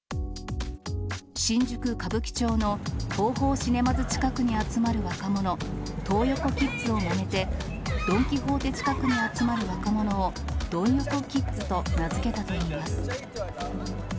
新宿・歌舞伎町のＴＯＨＯシネマズ近くに集まる若者、トー横キッズをまねて、ドン・キホーテ近くに集まる若者を、ドン横キッズと名付けたといいます。